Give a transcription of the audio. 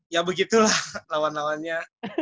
ya begitulah lawan lawannya